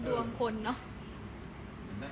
ดวงคนเนอะ